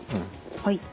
はい。